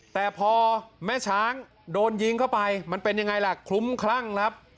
แต่พอแม่ช้างโดนยิงเข้าไปมันเป็นยังไงล่ะ